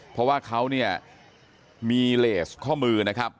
เพราะว่าเขาเนี่ยมีเลสข้อมือนะครับ